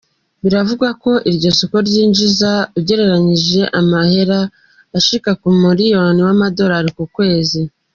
Bivugwa ko iryo soko ryinjiza, ugereranije, amahera ashika ku muriyoni w'amadolari ku kwezi.